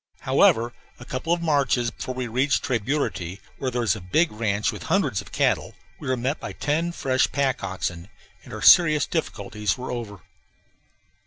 However, a couple of marches before we reached Tres Burity, where there is a big ranch with hundreds of cattle, we were met by ten fresh pack oxen, and our serious difficulties were over.